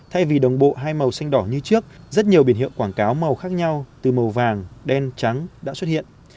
thay vì đồng bộ hai màu xanh đỏ như trước rất nhiều biển hiệu quảng cáo màu khác nhau từ màu vàng đen trắng đã xuất hiện